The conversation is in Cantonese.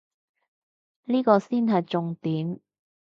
呢個先係重點